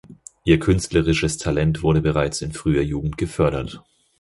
Ihr künstlerisches Talent wurde bereits in früher Jugend gefördert.